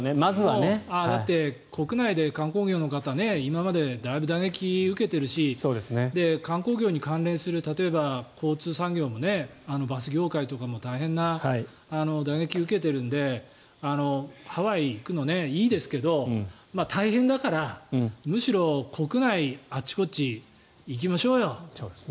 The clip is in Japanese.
だって、国内で観光業の方今までだいぶ打撃を受けているし観光業に関連する例えば、交通産業もバス業界とかも大変な打撃を受けているのでハワイに行くのいいですけど大変だからむしろ、国内あちこち行きましょうよ。